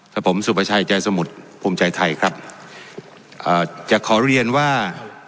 กับผมสุประชัยใจสมุทรภูมิใจไทยครับเอ่อจะขอเรียนว่า